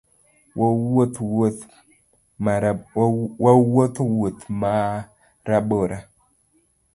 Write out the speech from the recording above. Wawuotho wuoth marabora